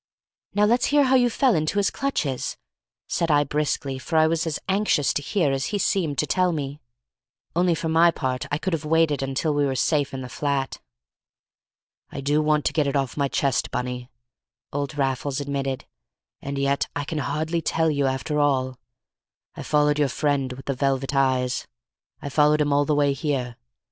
"Now let's hear how you fell into his clutches," said I, briskly, for I was as anxious to hear as he seemed to tell me, only for my part I could have waited until we were safe in the flat. "I do want to get it off my chest, Bunny," old Raffles admitted, "and yet I hardly can tell you after all. I followed your friend with the velvet eyes. I followed him all the way here.